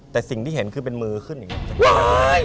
แต่สิ่งที่เห็นคือเป็นมือขึ้นอย่างนี้